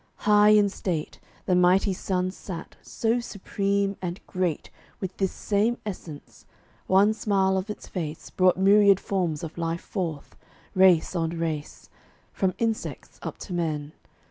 High in state The mighty sun sat, so supreme and great With this same essence, one smile of its face Brought myriad forms of life forth; race on race, From insects up to men.